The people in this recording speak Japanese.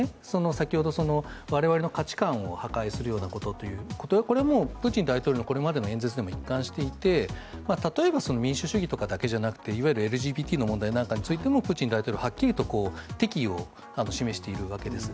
先ほど、我々の価値観を破壊するようなことという、これはプーチン大統領のこれまでの演説でも一貫していて例えば民主主義だけじゃなくてＬＧＢＴについてもプーチン大統領ははっきりと敵意を示しているわけです。